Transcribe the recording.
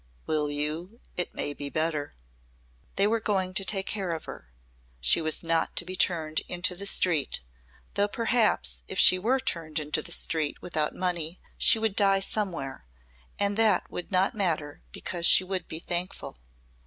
"Will you? It may be better." They were going to take care of her. She was not to be turned into the street though perhaps if she were turned into the street without money she would die somewhere and that would not matter because she would be thankful.